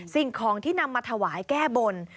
สิ่งของที่นำมาถวายแก้บน